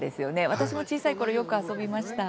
私も小さいころよく遊びました。